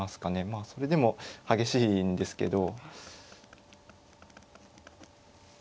まあそれでも激しいんですけど。